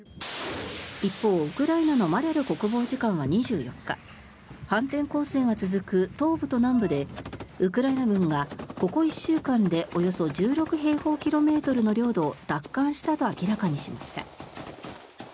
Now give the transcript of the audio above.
一方、ウクライナのマリャル国防次官は２４日反転攻勢が続く東部と南部でウクライナ軍がここ１週間でおよそ１６平方キロメートルの領土を奪還したと明らかにしました。